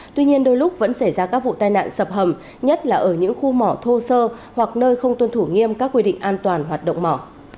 tuy nhiên đôi lúc vẫn xảy ra các vụ tai nạn sập hầm nhất là ở những khu mỏ thô sơ hoặc nơi không tuân thủ nghiêm các quy định an toàn hoạt động mỏ